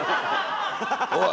おい！